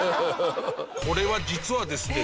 これは実はですね